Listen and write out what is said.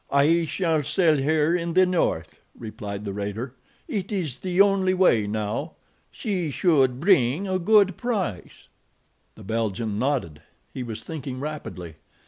"I shall sell her in the north," replied the raider. "It is the only way, now. She should bring a good price." The Belgian nodded. He was thinking rapidly.